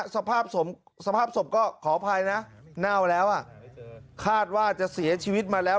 สภาพศพก็ขออภัยนะเน่าแล้วคาดว่าจะเสียชีวิตมาแล้ว